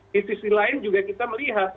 di sisi lain juga kita melihat